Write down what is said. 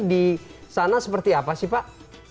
di sana seperti apa sih pak